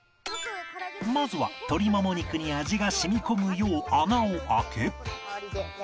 まずは鶏モモ肉に味が染み込むよう穴を開け